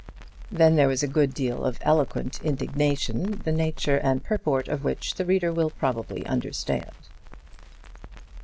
Then there was a good deal of eloquent indignation the nature and purport of which the reader will probably understand.